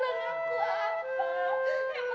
ya gua pergi ya